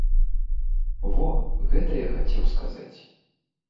Во, гэта я хацеў сказаць.